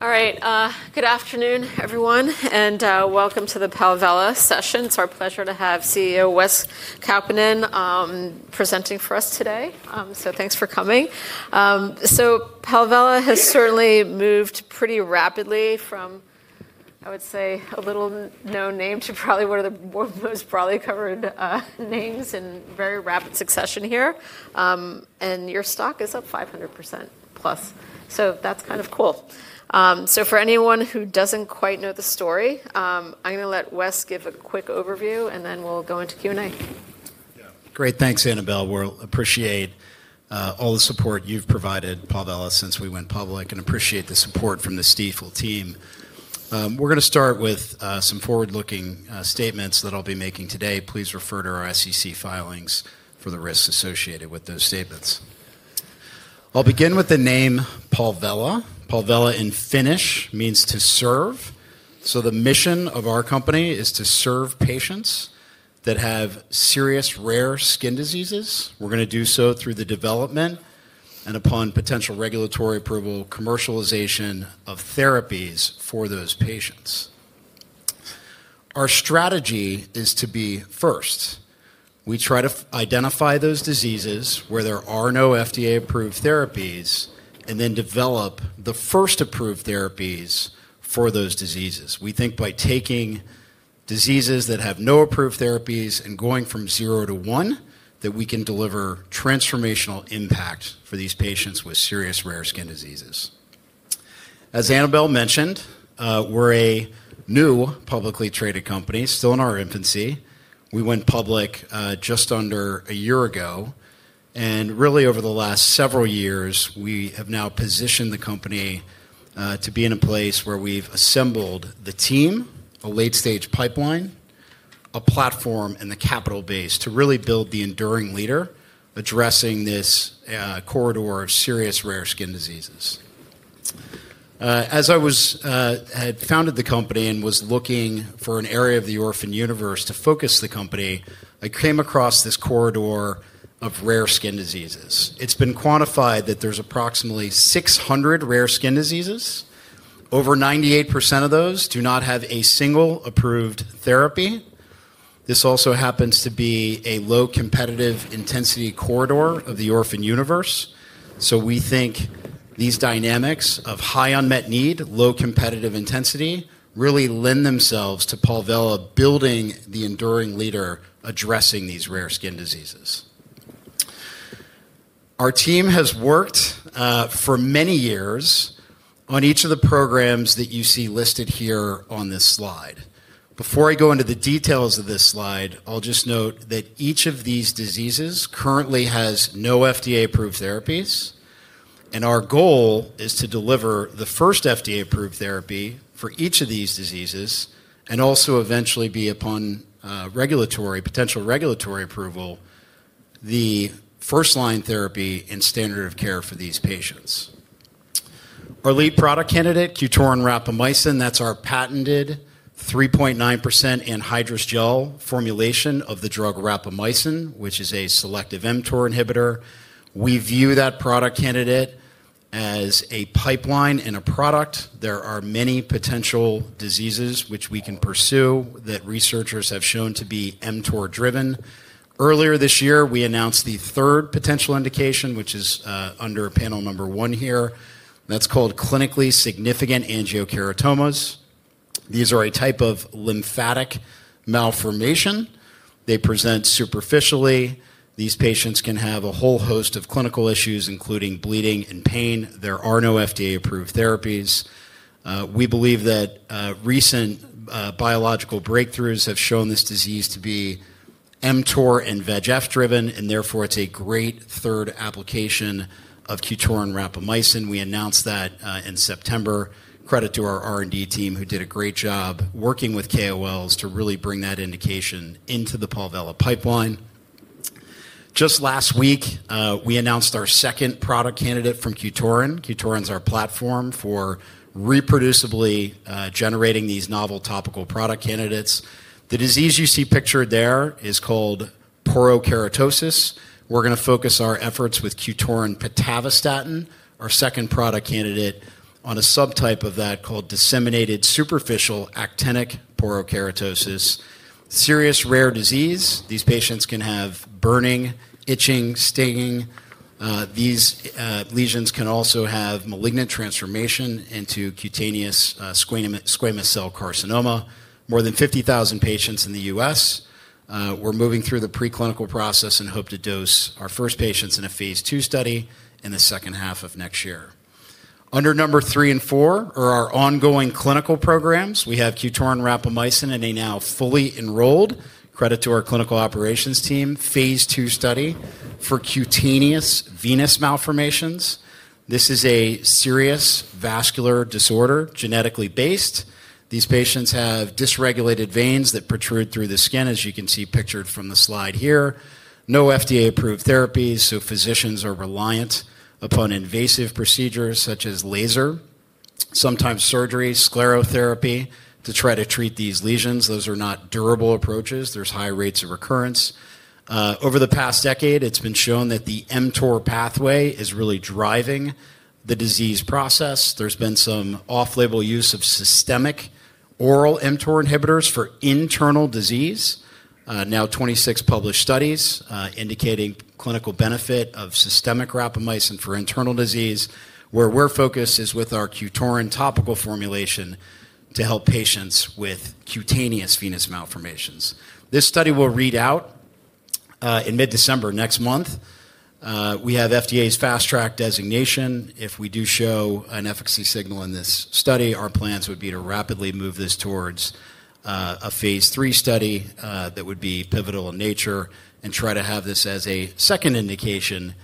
All right, good afternoon, everyone, and welcome to the Palvella Therapeutics session. It's our pleasure to have CEO Wes Kaupinen presenting for us today. Thanks for coming. Palvella has certainly moved pretty rapidly from, I would say, a little-known name to probably one of the most broadly covered names in very rapid succession here. Your stock is up 500%+. That's kind of cool. For anyone who doesn't quite know the story, I'm going to let Wes give a quick overview, and then we'll go into Q&A. Yeah. Great. Thanks, Annabelle. We appreciate all the support you've provided Palvella since we went public and appreciate the support from the Stifel team. We're going to start with some forward-looking statements that I'll be making today. Please refer to our SEC filings for the risks associated with those statements. I'll begin with the name Palvella. Palvella in Finnish means to serve. The mission of our company is to serve patients that have serious rare skin diseases. We're going to do so through the development and upon potential regulatory approval, commercialization of therapies for those patients. Our strategy is to be first. We try to identify those diseases where there are no FDA-approved therapies and then develop the first approved therapies for those diseases. We think by taking diseases that have no approved therapies and going from zero to one that we can deliver transformational impact for these patients with serious rare skin diseases. As Annabelle mentioned, we're a new publicly traded company, still in our infancy. We went public just under a year ago. Really, over the last several years, we have now positioned the company to be in a place where we've assembled the team, a late-stage pipeline, a platform, and the capital base to really build the enduring leader addressing this corridor of serious rare skin diseases. As I had founded the company and was looking for an area of the orphan universe to focus the company, I came across this corridor of rare skin diseases. It's been quantified that there's approximately 600 rare skin diseases. Over 98% of those do not have a single approved therapy. This also happens to be a low competitive intensity corridor of the orphan universe. We think these dynamics of high unmet need, low competitive intensity really lend themselves to Palvella building the enduring leader addressing these rare skin diseases. Our team has worked for many years on each of the programs that you see listed here on this slide. Before I go into the details of this slide, I'll just note that each of these diseases currently has no FDA-approved therapies, and our goal is to deliver the first FDA-approved therapy for each of these diseases and also eventually be, upon potential regulatory approval, the first-line therapy and standard of care for these patients. Our lead product candidate, QTORIN rapamycin, that's our patented 3.9% anhydrous gel formulation of the drug rapamycin, which is a selective mTOR inhibitor. We view that product candidate as a pipeline and a product. There are many potential diseases which we can pursue that researchers have shown to be mTOR-driven. Earlier this year, we announced the third potential indication, which is under panel number one here. That's called clinically significant angiocheratomas. These are a type of lymphatic malformation. They present superficially. These patients can have a whole host of clinical issues, including bleeding and pain. There are no FDA-approved therapies. We believe that recent biological breakthroughs have shown this disease to be mTOR and VEGF-driven, and therefore it's a great third application of QTORIN rapamycin. We announced that in September, credit to our R&D team who did a great job working with KOLs to really bring that indication into the Palvella pipeline. Just last week, we announced our second product candidate from QTORIN. QTORIN is our platform for reproducibly generating these novel topical product candidates. The disease you see pictured there is called porokeratosis. We're going to focus our efforts with QTORIN pitavastatin, our second product candidate, on a subtype of that called disseminated superficial actinic porokeratosis. Serious rare disease, these patients can have burning, itching, stinging. These lesions can also have malignant transformation into cutaneous squamous cell carcinoma. More than 50,000 patients in the U.S. We're moving through the preclinical process and hope to dose our first patients in a phase II study in the second half of next year. Number three and four are our ongoing clinical programs. We have QTORIN rapamycin in a now fully enrolled, credit to our clinical operations team, phase II study for cutaneous venous malformations. This is a serious vascular disorder, genetically based. These patients have dysregulated veins that protrude through the skin, as you can see pictured from the slide here. No FDA-approved therapies. Physicians are reliant upon invasive procedures such as laser, sometimes surgery, sclerotherapy to try to treat these lesions. Those are not durable approaches. There are high rates of recurrence. Over the past decade, it has been shown that the mTOR pathway is really driving the disease process. There has been some off-label use of systemic oral mTOR inhibitors for internal disease. Now, 26 published studies indicate clinical benefit of systemic rapamycin for internal disease. Where we are focused is with our QTORIN topical formulation to help patients with cutaneous venous malformations. This study will read out in mid-December next month. We have FDA's fast-track designation. If we do show an efficacy signal in this study, our plans would be to rapidly move this towards a phase III study that would be pivotal in nature and try to have this as a second indication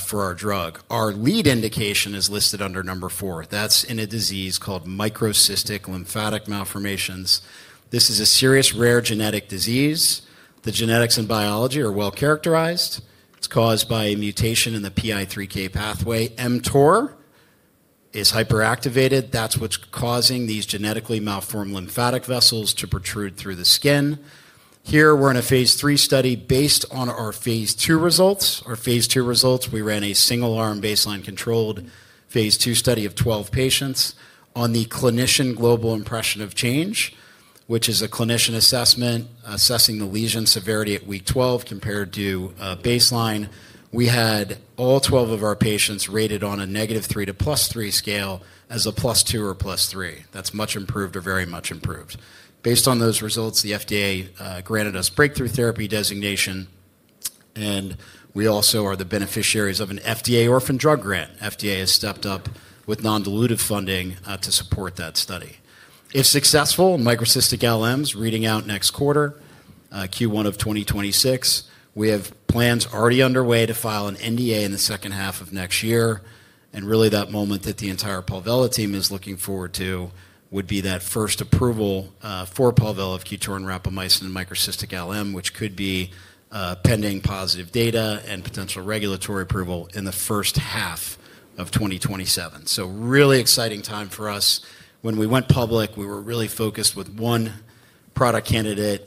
for our drug. Our lead indication is listed under number four. That's in a disease called microcystic lymphatic malformations. This is a serious rare genetic disease. The genetics and biology are well characterized. It's caused by a mutation in the PI3K pathway. mTOR is hyperactivated. That's what's causing these genetically malformed lymphatic vessels to protrude through the skin. Here, we're in a phase III study based on our phase II results. Our phase II results, we ran a single-arm baseline controlled phase II study of 12 patients on the clinician global impression of change, which is a clinician assessment assessing the lesion severity at week 12 compared to baseline. We had all 12 of our patients rated on a negative three to plus three scale as a plus two or plus three. That's much improved or very much improved. Based on those results, the FDA granted us breakthrough therapy designation, and we also are the beneficiaries of an FDA orphan drug grant. FDA has stepped up with non-dilutive funding to support that study. If successful, microcystic LMs reading out next quarter, Q1 of 2026. We have plans already underway to file an NDA in the second half of next year. Really, that moment that the entire Palvella team is looking forward to would be that first approval for Palvella of QTORIN rapamycin and microcystic LM, which could be pending positive data and potential regulatory approval in the first half of 2027. Really exciting time for us. When we went public, we were really focused with one product candidate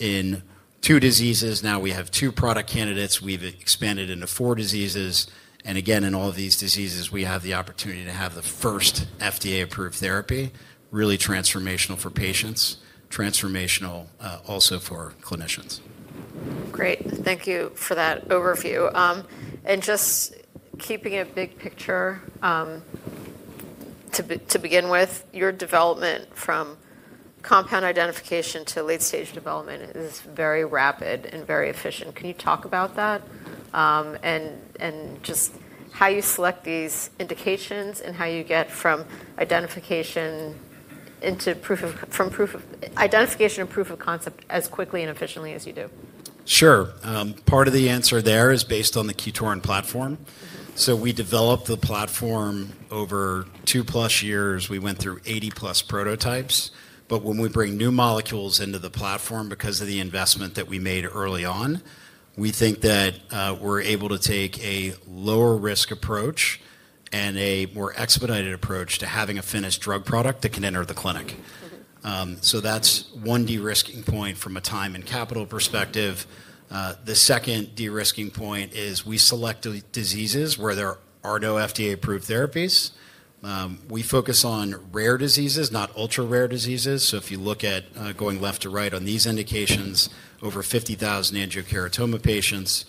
in two diseases. Now we have two product candidates. We've expanded into four diseases. In all of these diseases, we have the opportunity to have the first FDA-approved therapy, really transformational for patients, transformational also for clinicians. Great. Thank you for that overview. Just keeping a big picture to begin with, your development from compound identification to late-stage development is very rapid and very efficient. Can you talk about that and just how you select these indications and how you get from identification and proof of concept as quickly and efficiently as you do? Sure. Part of the answer there is based on the QTORIN platform. We developed the platform over two-plus years. We went through 80-plus prototypes. When we bring new molecules into the platform because of the investment that we made early on, we think that we're able to take a lower-risk approach and a more expedited approach to having a finished drug product that can enter the clinic. That's one de-risking point from a time and capital perspective. The second de-risking point is we select diseases where there are no FDA-approved therapies. We focus on rare diseases, not ultra-rare diseases. If you look at going left to right on these indications, over 50,000 angiocheratoma patients,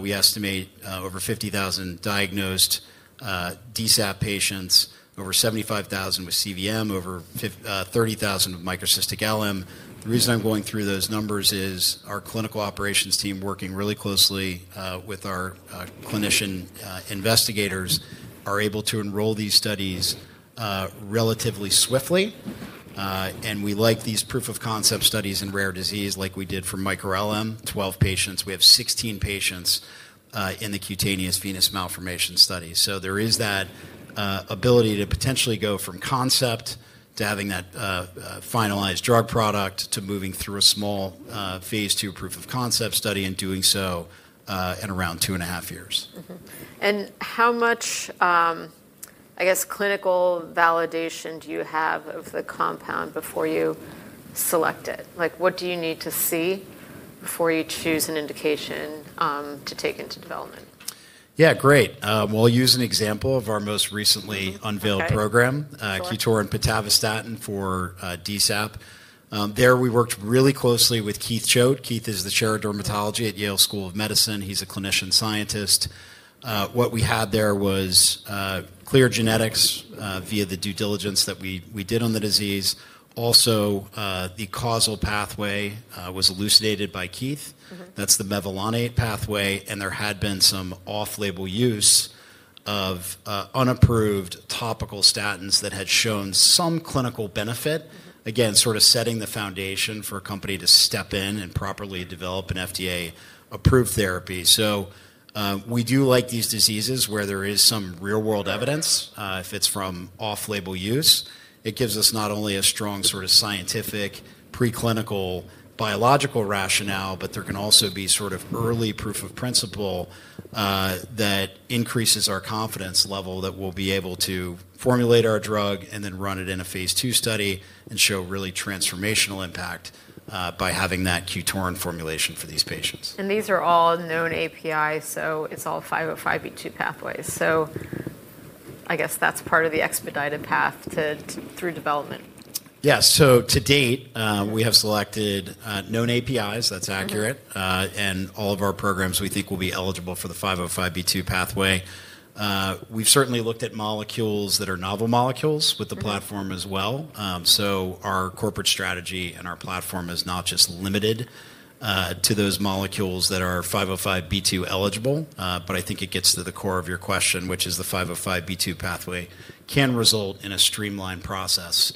we estimate over 50,000 diagnosed DSAP patients, over 75,000 with CVM, over 30,000 with microcystic LM. The reason I'm going through those numbers is our clinical operations team, working really closely with our clinician investigators, are able to enroll these studies relatively swiftly. We like these proof of concept studies in rare disease like we did for micro-LM. Twelve patients. We have sixteen patients in the cutaneous venous malformation study. There is that ability to potentially go from concept to having that finalized drug product to moving through a small phase II proof of concept study and doing so in around two and a half years. How much, I guess, clinical validation do you have of the compound before you select it? What do you need to see before you choose an indication to take into development? Yeah, great. I'll use an example of our most recently unveiled program, QTORIN pitavastatin for DSAP. There we worked really closely with Keith Choate. Keith is the Chair of Dermatology at Yale School of Medicine. He's a clinician scientist. What we had there was clear genetics via the due diligence that we did on the disease. Also, the causal pathway was elucidated by Keith. That's the mevalonate pathway. There had been some off-label use of unapproved topical statins that had shown some clinical benefit, again, sort of setting the foundation for a company to step in and properly develop an FDA-approved therapy. We do like these diseases where there is some real-world evidence. If it is from off-label use, it gives us not only a strong sort of scientific preclinical biological rationale, but there can also be sort of early proof of principle that increases our confidence level that we will be able to formulate our drug and then run it in a phase II study and show really transformational impact by having that QTORIN formulation for these patients. These are all known APIs, so it's all 505(b)(2) pathways. I guess that's part of the expedited path through development. Yes. To date, we have selected known APIs. That's accurate. All of our programs we think will be eligible for the 505(b)(2) pathway. We've certainly looked at molecules that are novel molecules with the platform as well. Our corporate strategy and our platform is not just limited to those molecules that are 505(b)(2) eligible, but I think it gets to the core of your question, which is the 505(b)(2) pathway can result in a streamlined process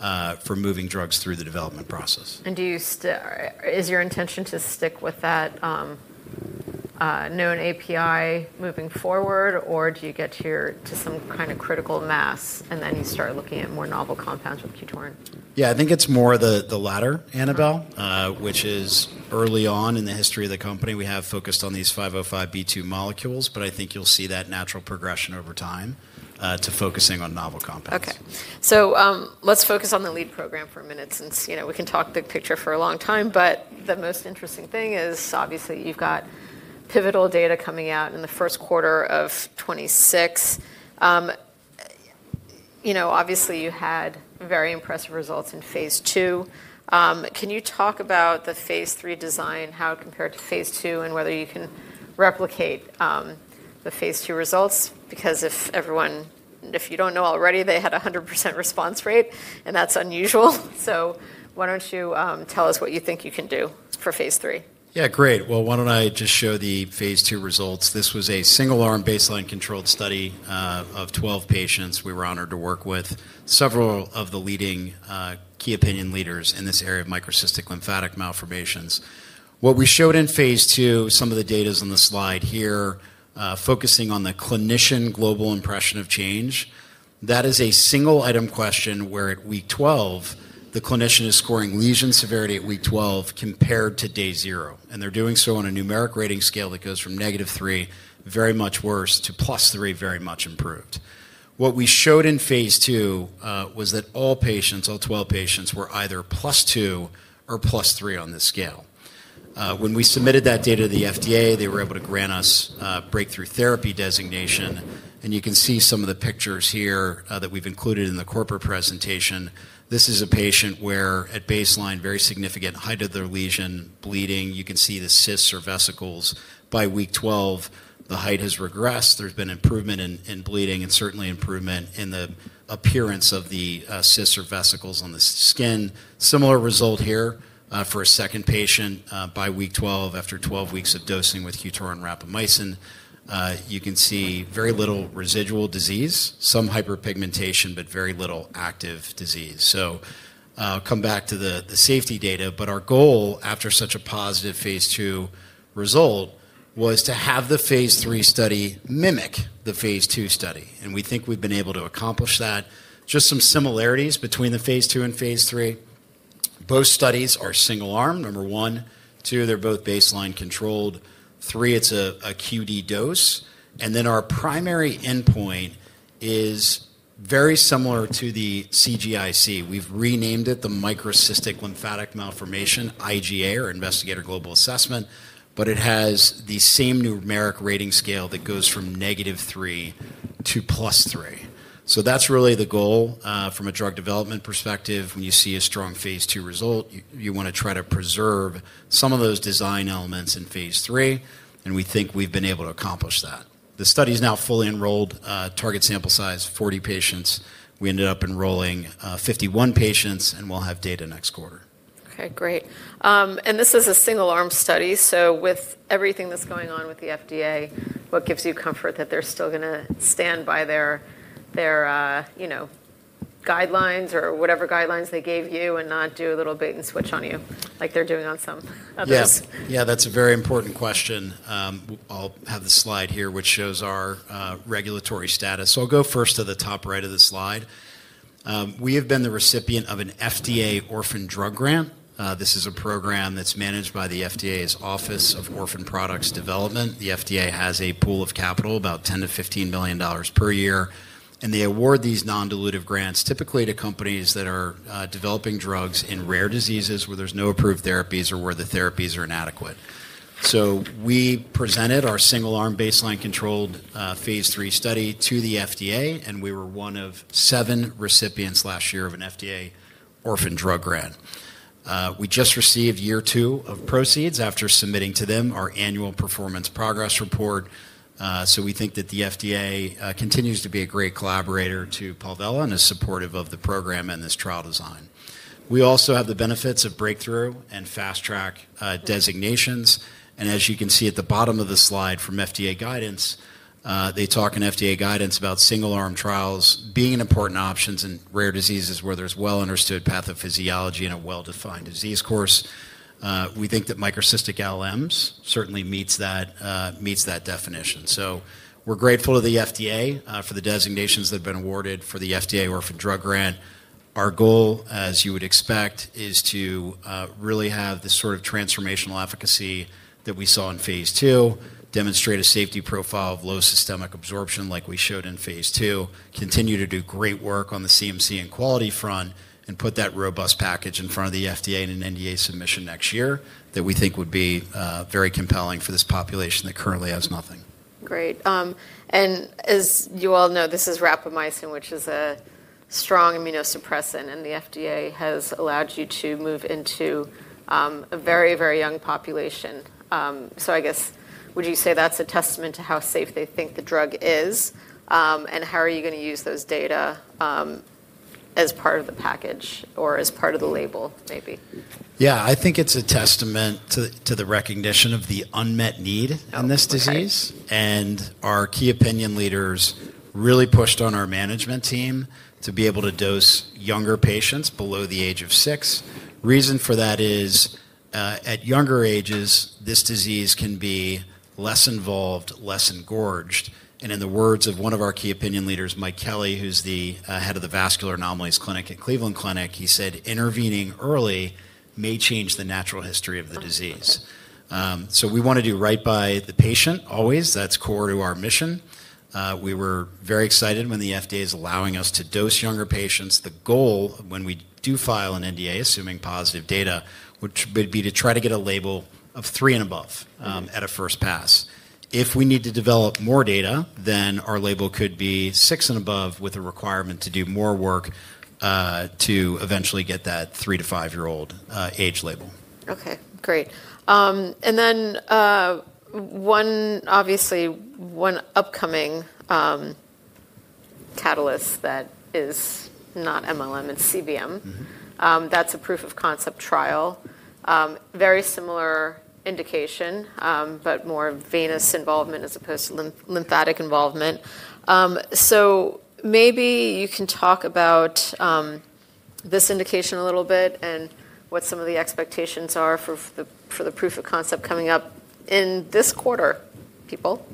for moving drugs through the development process. Is your intention to stick with that known API moving forward, or do you get here to some kind of critical mass and then you start looking at more novel compounds with QTORIN? Yeah, I think it's more the latter, Annabelle, which is early on in the history of the company we have focused on these 505(b)(2) molecules, but I think you'll see that natural progression over time to focusing on novel compounds. Okay. So let's focus on the lead program for a minute since we can talk big picture for a long time, but the most interesting thing is obviously you've got pivotal data coming out in the first quarter of 2026. Obviously, you had very impressive results in phase II. Can you talk about the phase III design, how it compared to phase II and whether you can replicate the phase II results? Because if you don't know already, they had a 100% response rate, and that's unusual. So why don't you tell us what you think you can do for phase III? Yeah, great. Why don't I just show the phase II results? This was a single-arm baseline controlled study of 12 patients. We were honored to work with several of the leading key opinion leaders in this area of microcystic lymphatic malformations. What we showed in phase II, some of the data is on the slide here, focusing on the clinician global impression of change. That is a single-item question where at week 12, the clinician is scoring lesion severity at week 12 compared to day zero. And they're doing so on a numeric rating scale that goes from negative three, very much worse, to plus three, very much improved. What we showed in phase II was that all patients, all 12 patients, were either plus two or plus three on this scale. When we submitted that data to the FDA, they were able to grant us breakthrough therapy designation. You can see some of the pictures here that we've included in the corporate presentation. This is a patient where at baseline, very significant height of their lesion, bleeding. You can see the cysts or vesicles. By week 12, the height has regressed. There has been improvement in bleeding and certainly improvement in the appearance of the cysts or vesicles on the skin. Similar result here for a second patient by week 12, after 12 weeks of dosing with QTORIN rapamycin. You can see very little residual disease, some hyperpigmentation, but very little active disease. I will come back to the safety data, but our goal after such a positive phase II result was to have the phase III study mimic the phase II study. We think we have been able to accomplish that. Just some similarities between the phase II and phase III. Both studies are single-arm, number one. Two, they're both baseline controlled. Three, it's a QD dose. Our primary endpoint is very similar to the CGIC. We've renamed it the microcystic lymphatic malformation IGA or Investigator Global Assessment, but it has the same numeric rating scale that goes from negative three to plus three. That's really the goal from a drug development perspective. When you see a strong phase II result, you want to try to preserve some of those design elements in phase III. We think we've been able to accomplish that. The study is now fully enrolled. Target sample size, 40 patients. We ended up enrolling 51 patients, and we'll have data next quarter. Okay, great. This is a single-arm study. With everything that's going on with the FDA, what gives you comfort that they're still going to stand by their guidelines or whatever guidelines they gave you and not do a little bait and switch on you like they're doing on some others? Yes. Yeah, that's a very important question. I'll have the slide here, which shows our regulatory status. I'll go first to the top right of the slide. We have been the recipient of an FDA orphan drug grant. This is a program that's managed by the FDA's Office of Orphan Products Development. The FDA has a pool of capital, about $10 million-$15 million per year. They award these non-dilutive grants typically to companies that are developing drugs in rare diseases where there's no approved therapies or where the therapies are inadequate. We presented our single-arm baseline controlled phase III study to the FDA, and we were one of seven recipients last year of an FDA orphan drug grant. We just received year two of proceeds after submitting to them our annual performance progress report. We think that the FDA continues to be a great collaborator to Palvella and is supportive of the program and this trial design. We also have the benefits of breakthrough and fast-track designations. As you can see at the bottom of the slide from FDA guidance, they talk in FDA guidance about single-arm trials being important options in rare diseases where there's well-understood pathophysiology and a well-defined disease course. We think that microcystic LMs certainly meets that definition. We're grateful to the FDA for the designations that have been awarded for the FDA orphan drug grant. Our goal, as you would expect, is to really have the sort of transformational efficacy that we saw in phase II, demonstrate a safety profile of low systemic absorption like we showed in phase II, continue to do great work on the CMC and quality front, and put that robust package in front of the FDA in an NDA submission next year that we think would be very compelling for this population that currently has nothing. Great. As you all know, this is rapamycin, which is a strong immunosuppressant, and the FDA has allowed you to move into a very, very young population. I guess, would you say that's a testament to how safe they think the drug is? How are you going to use those data as part of the package or as part of the label, maybe? Yeah, I think it's a testament to the recognition of the unmet need on this disease. Our key opinion leaders really pushed on our management team to be able to dose younger patients below the age of six. The reason for that is at younger ages, this disease can be less involved, less engorged. In the words of one of our key opinion leaders, Michael Kelly, who's the head of the vascular anomalies clinic at Cleveland Clinic, he said, "Intervening early may change the natural history of the disease." We want to do right by the patient always. That's core to our mission. We were very excited when the FDA is allowing us to dose younger patients. The goal when we do file an NDA, assuming positive data, would be to try to get a label of three and above at a first pass. If we need to develop more data, then our label could be six and above with a requirement to do more work to eventually get that three to five-year-old age label. Okay, great. Obviously one upcoming catalyst that is not mLM, it's CVM. That's a proof of concept trial. Very similar indication, but more venous involvement as opposed to lymphatic involvement. Maybe you can talk about this indication a little bit and what some of the expectations are for the proof of concept coming up in this quarter, people.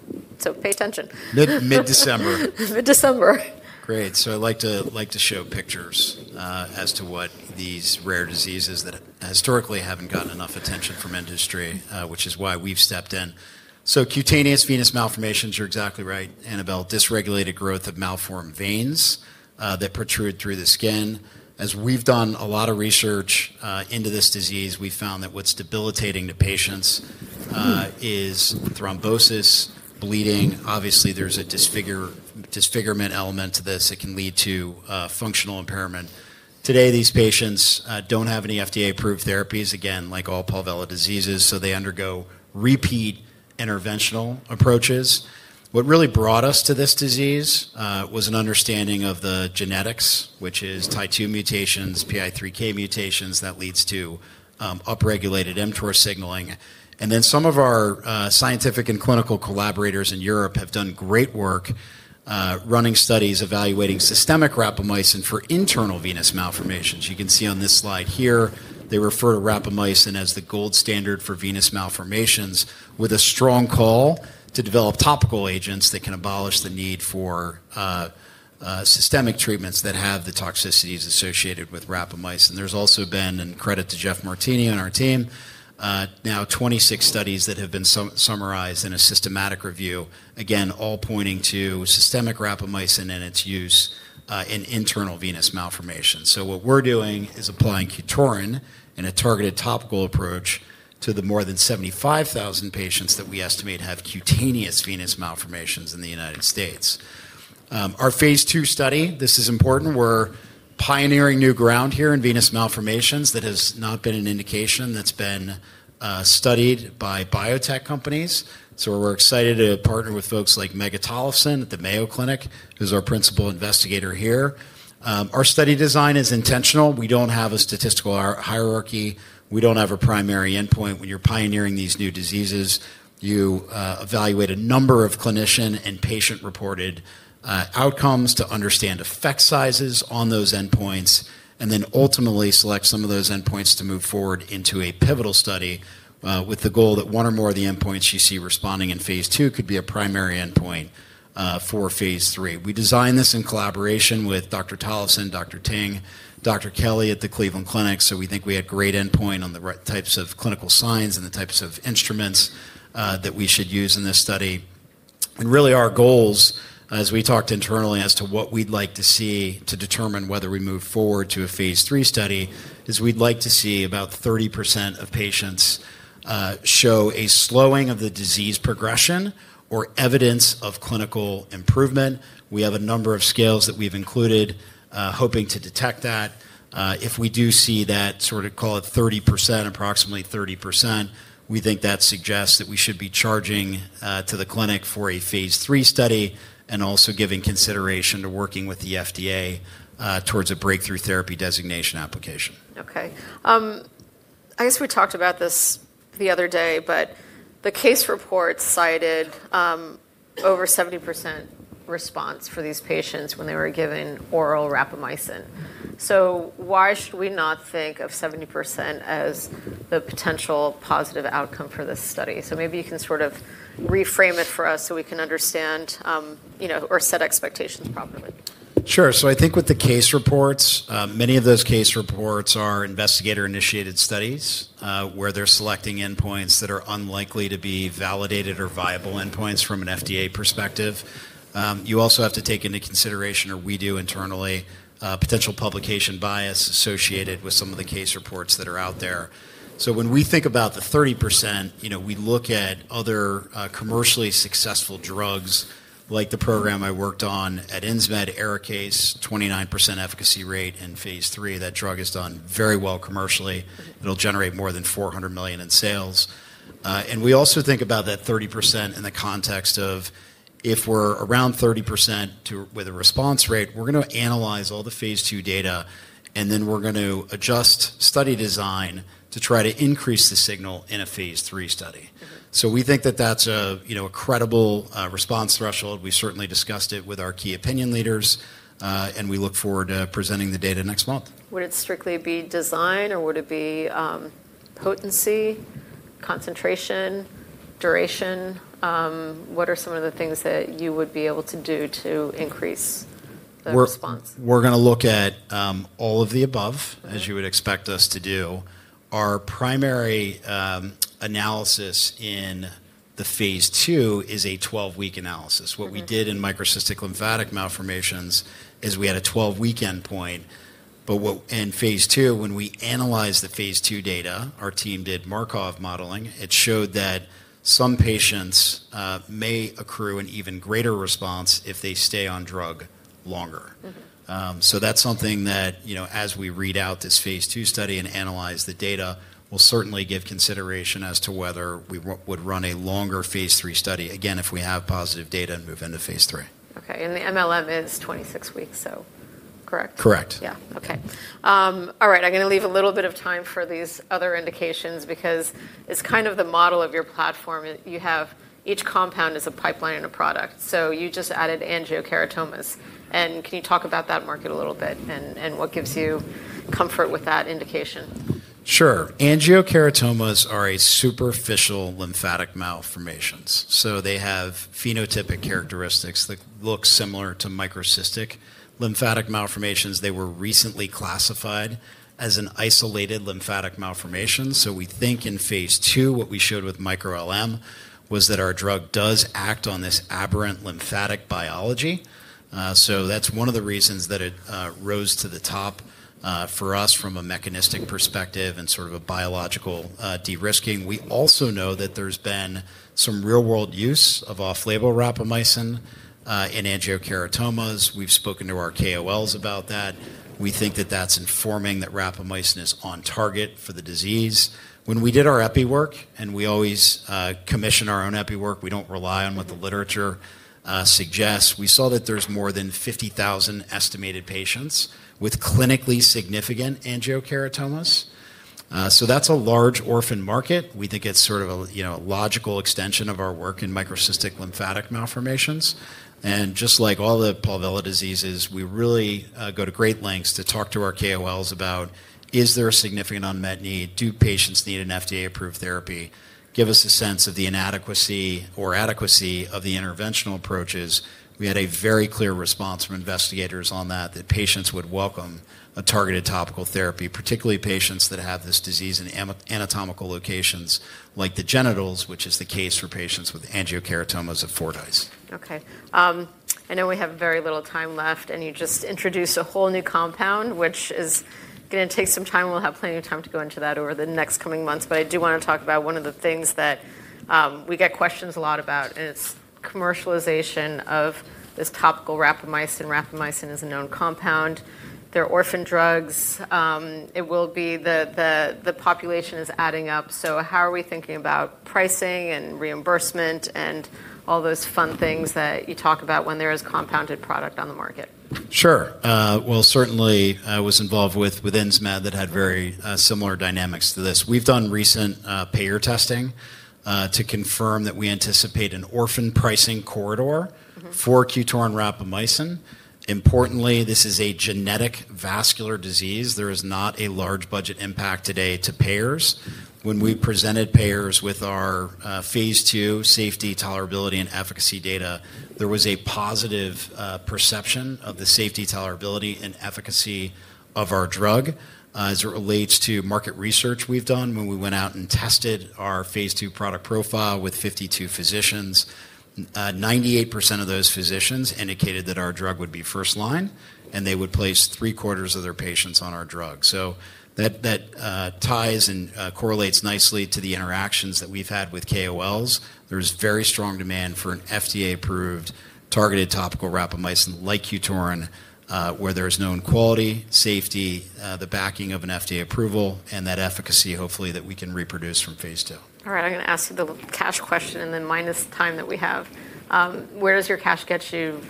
Pay attention. Mid-December. Mid-December. Great. I'd like to show pictures as to what these rare diseases that historically haven't gotten enough attention from industry, which is why we've stepped in. Cutaneous venous malformations are exactly right, Annabelle, dysregulated growth of malformed veins that protrude through the skin. As we've done a lot of research into this disease, we found that what's debilitating to patients is thrombosis, bleeding. Obviously, there's a disfigurement element to this. It can lead to functional impairment. Today, these patients don't have any FDA-approved therapies, again, like all Palvella diseases, so they undergo repeat interventional approaches. What really brought us to this disease was an understanding of the genetics, which is type 2 mutations, PI3K mutations that leads to upregulated mTOR signaling. Some of our scientific and clinical collaborators in Europe have done great work running studies evaluating systemic rapamycin for internal venous malformations. You can see on this slide here, they refer to rapamycin as the gold standard for venous malformations with a strong call to develop topical agents that can abolish the need for systemic treatments that have the toxicities associated with rapamycin. There's also been, and credit to Jeff Martini on our team, now 26 studies that have been summarized in a systematic review, again, all pointing to systemic rapamycin and its use in internal venous malformations. What we're doing is applying QTORIN in a targeted topical approach to the more than 75,000 patients that we estimate have cutaneous venous malformations in the United States. Our phase II study, this is important, we're pioneering new ground here in venous malformations that has not been an indication that's been studied by biotech companies. We're excited to partner with folks like Megan Tollefson at the Mayo Clinic, who's our principal investigator here. Our study design is intentional. We don't have a statistical hierarchy. We don't have a primary endpoint. When you're pioneering these new diseases, you evaluate a number of clinician and patient-reported outcomes to understand effect sizes on those endpoints and then ultimately select some of those endpoints to move forward into a pivotal study with the goal that one or more of the endpoints you see responding in phase II could be a primary endpoint for phase III. We designed this in collaboration with Dr. Tollefson, Dr. Ting, Dr. Kelly at the Cleveland Clinic. We think we had a great endpoint on the types of clinical signs and the types of instruments that we should use in this study. Our goals, as we talked internally as to what we'd like to see to determine whether we move forward to a phase III study, is we'd like to see about 30% of patients show a slowing of the disease progression or evidence of clinical improvement. We have a number of scales that we've included hoping to detect that. If we do see that sort of, call it 30%, approximately 30%, we think that suggests that we should be charging to the clinic for a phase III study and also giving consideration to working with the FDA towards a breakthrough therapy designation application. Okay. I guess we talked about this the other day, but the case report cited over 70% response for these patients when they were given oral rapamycin. Why should we not think of 70% as the potential positive outcome for this study? Maybe you can sort of reframe it for us so we can understand or set expectations properly. Sure. I think with the case reports, many of those case reports are investigator-initiated studies where they're selecting endpoints that are unlikely to be validated or viable endpoints from an FDA perspective. You also have to take into consideration, or we do internally, potential publication bias associated with some of the case reports that are out there. When we think about the 30%, we look at other commercially successful drugs like the program I worked on at Insmed, ARIKACE, 29% efficacy rate in phase III. That drug has done very well commercially. It'll generate more than $400 million in sales. We also think about that 30% in the context of if we're around 30% with a response rate, we're going to analyze all the phase II data, and then we're going to adjust study design to try to increase the signal in a phase III study. We think that that's a credible response threshold. We certainly discussed it with our key opinion leaders, and we look forward to presenting the data next month. Would it strictly be design, or would it be potency, concentration, duration? What are some of the things that you would be able to do to increase the response? We're going to look at all of the above, as you would expect us to do. Our primary analysis in the phase II is a 12-week analysis. What we did in microcystic lymphatic malformations is we had a 12-week endpoint. In phase II, when we analyzed the phase II data, our team did Markov modeling, it showed that some patients may accrue an even greater response if they stay on drug longer. That is something that, as we read out this phase II study and analyze the data, we'll certainly give consideration as to whether we would run a longer phase III study, again, if we have positive data and move into phase III. Okay. The mLM is 26 weeks, so correct? Correct. Yeah. Okay. All right. I'm going to leave a little bit of time for these other indications because it's kind of the model of your platform. Each compound is a pipeline and a product. You just added angiocheratomas. Can you talk about that market a little bit and what gives you comfort with that indication? Sure. Angiocheratomas are superficial lymphatic malformations. They have phenotypic characteristics that look similar to microcystic lymphatic malformations. They were recently classified as an isolated lymphatic malformation. We think in phase II, what we showed with microLM was that our drug does act on this aberrant lymphatic biology. That is one of the reasons that it rose to the top for us from a mechanistic perspective and sort of a biological de-risking. We also know that there has been some real-world use of off-label rapamycin in angiocheratomas. We have spoken to our KOLs about that. We think that is informing that rapamycin is on target for the disease. When we did our EPI work, and we always commission our own EPI work, we do not rely on what the literature suggests. We saw that there are more than 50,000 estimated patients with clinically significant angiocheratomas. That is a large orphan market. We think it's sort of a logical extension of our work in microcystic lymphatic malformations. Just like all the Palvella diseases, we really go to great lengths to talk to our KOLs about, is there a significant unmet need? Do patients need an FDA-approved therapy? Give us a sense of the inadequacy or adequacy of the interventional approaches. We had a very clear response from investigators on that, that patients would welcome a targeted topical therapy, particularly patients that have this disease in anatomical locations like the genitals, which is the case for patients with angiocheratomas of Fordyce. Okay. I know we have very little time left, and you just introduced a whole new compound, which is going to take some time. We'll have plenty of time to go into that over the next coming months. I do want to talk about one of the things that we get questions a lot about, and it's commercialization of this topical rapamycin. rapamycin is a known compound. They're orphan drugs. It will be the population is adding up. How are we thinking about pricing and reimbursement and all those fun things that you talk about when there is a compounded product on the market? Sure. Certainly, I was involved with Insmed that had very similar dynamics to this. We've done recent payer testing to confirm that we anticipate an orphan pricing corridor for QTORIN rapamycin. Importantly, this is a genetic vascular disease. There is not a large budget impact today to payers. When we presented payers with our phase II safety, tolerability, and efficacy data, there was a positive perception of the safety, tolerability, and efficacy of our drug as it relates to market research we've done. When we went out and tested our phase II product profile with 52 physicians, 98% of those physicians indicated that our drug would be first line, and they would place three-quarters of their patients on our drug. That ties and correlates nicely to the interactions that we've had with KOLs. There is very strong demand for an FDA-approved targeted topical rapamycin like QTORIN, where there is known quality, safety, the backing of an FDA approval, and that efficacy, hopefully, that we can reproduce from phase II. All right. I'm going to ask you the cash question, and then minus the time that we have. Where does your cash get you?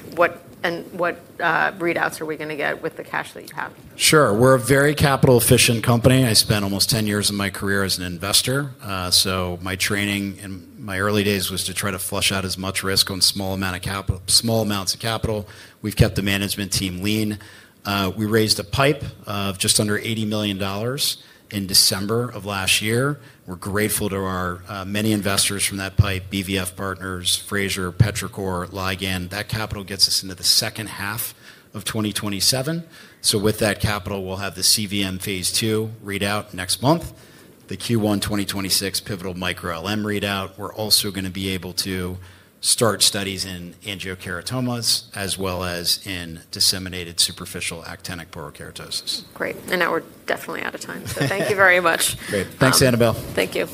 What readouts are we going to get with the cash that you have? Sure. We're a very capital-efficient company. I spent almost 10 years of my career as an investor. So my training in my early days was to try to flush out as much risk on small amounts of capital. We've kept the management team lean. We raised a PIPE of just under $80 million in December of last year. We're grateful to our many investors from that PIPE: BVF Partners, Fraser, Petrichor, Ligand. That capital gets us into the second half of 2027. So with that capital, we'll have the CVM phase II readout next month, the Q1 2026 pivotal microLM readout. We're also going to be able to start studies in angiocheratomas as well as in disseminated superficial actinic porokeratosis. Great. We are definitely out of time. Thank you very much. Great. Thanks, Annabelle. Thank you.